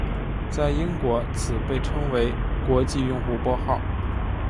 在英国此被称为国际用户拨号。